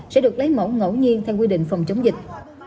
sẽ được lấy mẫu ngẫu nhiên theo quy định phòng chống dịch